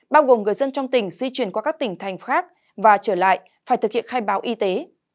bao gồm người dân trong tỉnh di chuyển qua các tỉnh thành khác và trở lại phải thực hiện khai báo y tế